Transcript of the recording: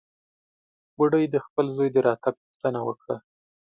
بوډۍ د خپل زوى د راتګ پوښتنه وکړه.